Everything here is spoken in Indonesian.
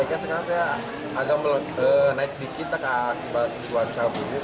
harga ikan sekarang agak naik sedikit karena cuaca buruk